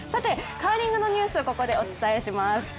カーリングのニュースをここでお伝えします。